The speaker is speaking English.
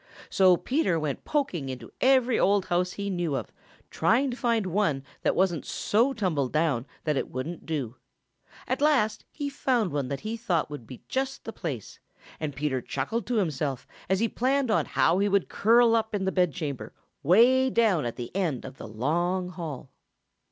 So Peter went poking into every old house he knew of, trying to find one that wasn't so tumble down that it wouldn't do. At last he found one that he thought would be just the place, and Peter chuckled to himself as he planned how he would curl up in the bedchamber, way down at the end of the long hall.